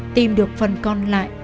tìm được phần còn lại